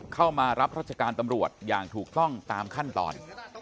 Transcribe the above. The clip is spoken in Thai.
เข้ามารับราชการตำรวจอย่างถูกต้องตามขั้นตอน